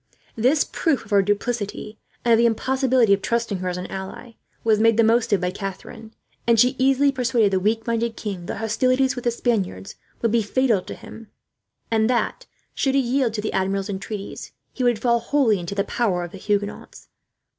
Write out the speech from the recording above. This proof of her duplicity, and of the impossibility of trusting her as an ally, was made the most of by Catherine; and she easily persuaded the weak minded king that hostilities with the Spaniards would be fatal to him, and that, should he yield to the Admiral's entreaties, he would fall wholly into the power of the Huguenots.